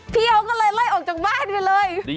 พี่เขาก็เลยไล่ออกจากบ้านไปเลย